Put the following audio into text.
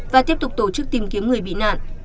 và tiếp tục tổ chức tìm kiếm người bị nạn